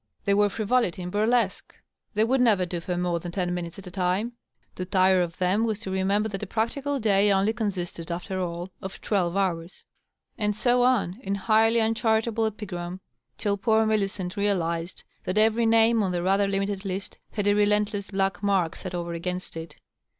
They were frivolity in burlesque; they would never do for more than ten minutes at a time ; to tire of them was to remember that a practical day only consisted, after all, of twelve hours. .. And so on, in highly unchari^ble epigram, till poor Milli cent realized that every name on the rather limited list had a relent less black mark set over against it.